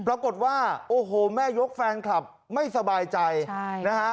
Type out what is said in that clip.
ปรากฏว่าโอ้โหแม่ยกแฟนคลับไม่สบายใจนะฮะ